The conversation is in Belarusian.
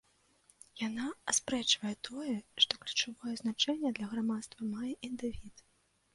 Яна аспрэчвае тое, што ключавое значэнне для грамадства мае індывід.